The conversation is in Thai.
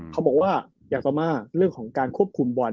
เขาบอกว่าอย่างต่อมาเรื่องของการควบคุมบอล